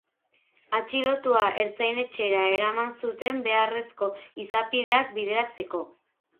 Atxilotua ertzain-etxera eraman zute beharrezko izapideak bideratzeko.